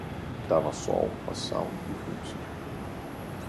Der var sorg og savn i huset.